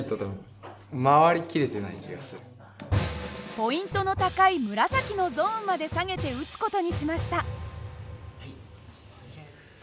ポイントの高い紫のゾーンまで下げて撃つ事にしました。